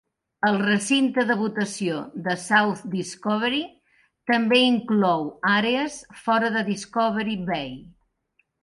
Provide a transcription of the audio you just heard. El recinte de votació de South Discovery també inclou àrees fora de Discovery Bay.